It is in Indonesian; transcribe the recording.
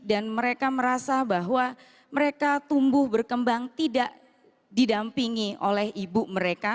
dan mereka merasa bahwa mereka tumbuh berkembang tidak didampingi oleh ibu mereka